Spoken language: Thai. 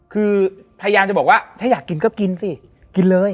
คือพยายามจะบอกว่าถ้าอยากกินก็กินสิกินเลย